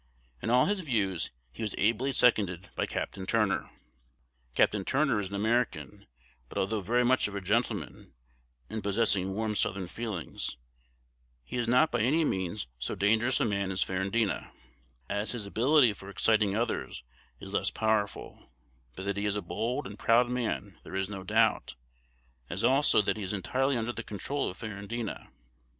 In all his views he was ably seconded by Capt. Turner. "Capt. Turner is an American; but although very much of a gentleman, and possessing warm Southern feelings, he is not by any means so dangerous a man as Ferrandina, as his ability for exciting others is less powerful; but that he is a bold and proud man there is no doubt, as also that he is entirely under the control of Ferrandina.